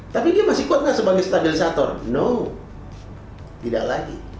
tapi dia masih kuat nggak sebagai stabilisator no tidak lagi